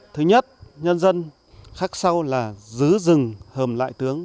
thứ nhất nhân dân khắc sâu là giữ rừng hầm đại tướng